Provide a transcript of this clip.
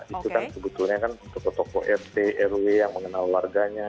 itu kan sebetulnya kan tokoh tokoh rt rw yang mengenal warganya